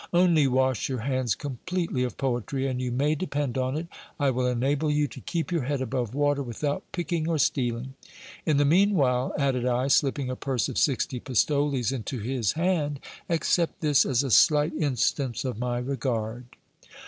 Only wash your hands completely of poetry, and you may depend on it, I will enable you to keep your head above water without picking or stealing. In the mean while, added I, slipping a purse of sixty pistoles into his hand, accept this as a slight instance of my regard.